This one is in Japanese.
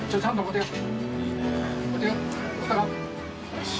よし。